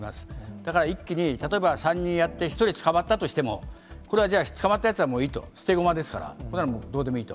だから一気に、例えば３人やって１人捕まったとしても、これはじゃあ、捕まったやつはもういいと、捨て駒ですから、こんなのはどうでもいいと。